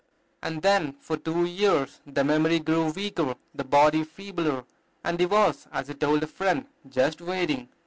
And then for two years the memory grew weaker, the body feebler, and he was, as he told a friend, "just waiting."